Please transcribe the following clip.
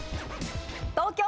東京。